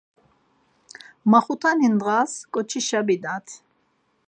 Maxutani ndğas ǩoçişa bidat.